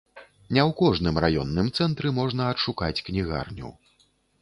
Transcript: Не ў кожным раённым цэнтры можна адшукаць кнігарню.